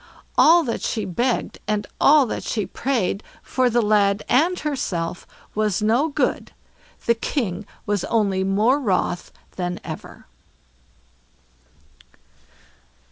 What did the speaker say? All that she begged, and all that she prayed, for the lad and herself, was no good. The King was only more wroth than ever.